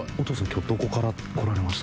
今日どこから来られました？